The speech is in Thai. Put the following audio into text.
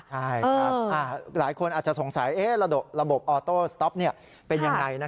ใช่ครับหลายคนอาจจะสงสัยระบบออโต้สต๊อปเป็นยังไง